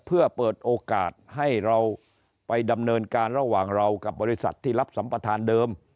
เพื่อเปิดโอกาสให้เราไปดำเนินการระหว่างเรากับบริษัทที่รับสัมประธานเดิม